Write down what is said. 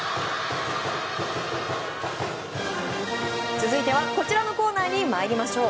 続いてはこちらのコーナー参りましょう。